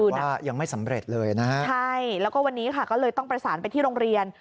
คือหน้ายังไม่สำเร็จเลยนะฮะใช่แล้วก็วันนี้ค่ะก็เลยต้องประสานไปที่โรงเรียน